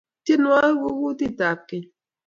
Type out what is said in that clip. tienwokik kokutit ap ngueny